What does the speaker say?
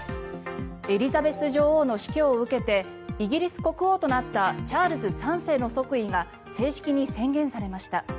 エリザベス女王の死去を受けてイギリス国王となったチャールズ３世の即位が正式に宣言されました。